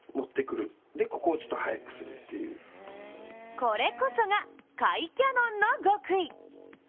これこそが、甲斐キャノンの極意。